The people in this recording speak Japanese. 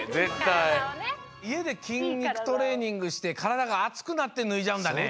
いえできんにくトレーニングしてからだがあつくなって脱いじゃうんだね。